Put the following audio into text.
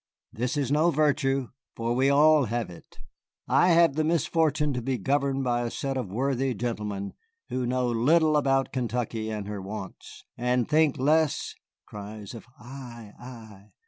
This is no virtue, for we all have it. We have the misfortune to be governed by a set of worthy gentlemen who know little about Kentucky and her wants, and think less [cries of 'Ay, ay!